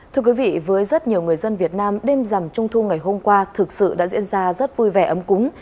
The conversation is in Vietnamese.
thưa quý vị với rất nhiều người dân việt nam đêm rằm trung thu ngày hôm qua thực sự đã diễn ra rất vui vẻ ấm cúng